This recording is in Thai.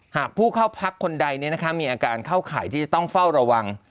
หากผู้เข้าพักคนใดมีอาการเข้าข่ายที่จะต้องเฝ้าระวัง